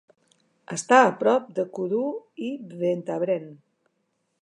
Està a prop de Coudoux i Ventabren.